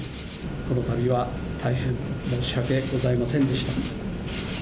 このたびは大変申し訳ございませんでした。